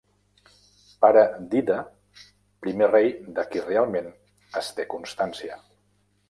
Pare d'Ida, primer rei de qui realment es té constància.